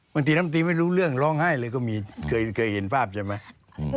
บางทีน้ำตีไม่รู้เรื่องร้องไห้เลยก็มีเคยเห็นภาพใช่ไหม